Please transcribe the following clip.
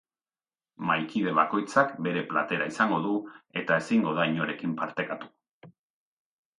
Mahaikide bakoitzak bere platera izango du eta ezingo da inorekin partekatu.